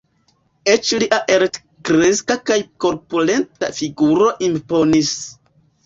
Eĉ lia altkreska kaj korpulenta figuro imponis.